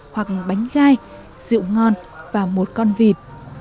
hoặc bánh gai rượu ngon và một con vịt